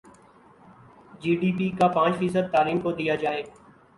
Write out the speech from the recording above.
جی D P کا پانچ فیصد تعلیم کو دیا جائے